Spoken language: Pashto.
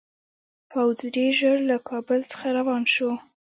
پوځ ډېر ژر له کابل څخه روان شو.